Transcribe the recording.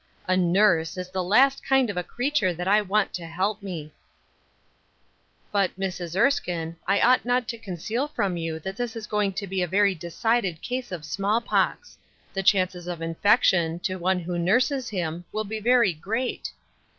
A nurse is the last kind o^ « creature that I want to he) > me " 184 Ruth Erski7ie's Crosses. " But, Mrs. Erskine, I ought not to conceal from you that this is going to be a very decided case of small pox. The chances of infection, to one who nurses him, will be very great."